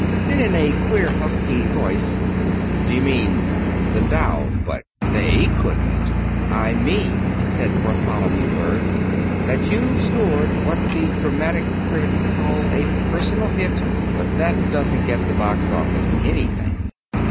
Then, in a queer husky voice: "D'you mean the Dowd but they couldn't " "I mean," said Bartholomew Berg, "that you've scored what the dramatic critics call a personal hit; but that doesn't get the box office anything."